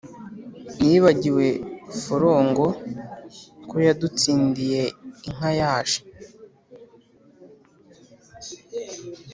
Nibagiwe Forongo , ko yadutsindiye inka yaje